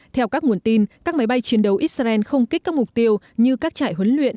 theo các nguồn tin các máy bay chiến đấu israel không kích các mục tiêu như các trại huấn luyện